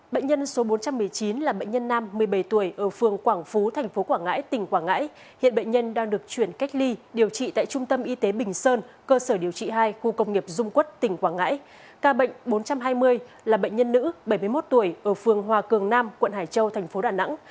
bệnh bốn trăm hai mươi là bệnh nhân nữ bảy mươi một tuổi ở phường hòa cường nam quận hải châu thành phố đà nẵng